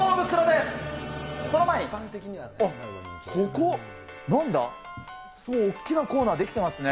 すごく大きなコーナー出来てますね。